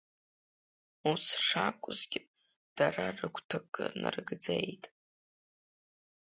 Ус шакәызгьы, дара рыгәҭакы нарыгӡеит…